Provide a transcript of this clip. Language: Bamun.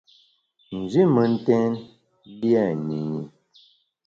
Nji mentèn lia nyinyi.